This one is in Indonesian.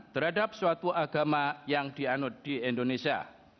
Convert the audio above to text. terhadap suatu agama yang dianut di indonesia